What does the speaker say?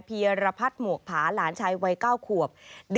เพียรพัฒน์หมวกผาหลานชายวัย๙ขวบ